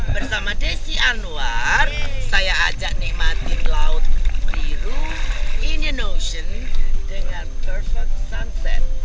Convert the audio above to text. bersama desy anwar saya ajak nikmati laut biru indian ocean dengan perfect sunset